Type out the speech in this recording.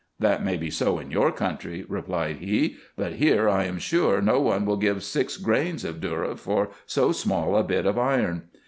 " That may be so in your country," replied he ;" but here I am sure no one will give six grains of dhourra for so small a bit of iron."